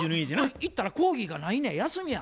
行ったら講義がないねん休みや。